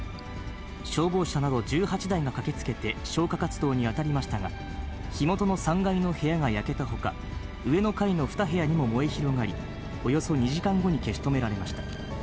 消防車など１８台が駆けつけて、消火活動に当たりましたが、火元の３階の部屋が焼けたほか、上の階の２部屋にも燃え広がり、およそ２時間後に消し止められました。